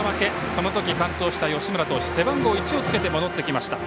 その時、完投した吉村投手背番号１をつけて戻ってきました。